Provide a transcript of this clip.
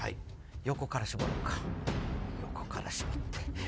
横から絞ろうか横から絞って。